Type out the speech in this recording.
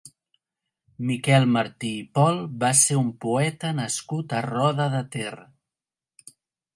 Miquel Martí i Pol va ser un poeta nascut a Roda de Ter.